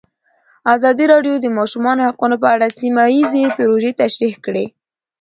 ازادي راډیو د د ماشومانو حقونه په اړه سیمه ییزې پروژې تشریح کړې.